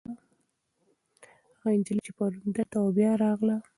هغه نجلۍ چې پرون دلته وه، بیا راغله.